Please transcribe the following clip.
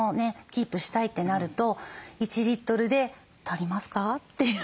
キープしたいってなると１リットルで足りますか？という。